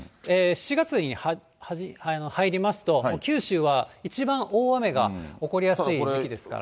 ７月に入りますと、九州は一番大雨が起こりやすい時期ですから。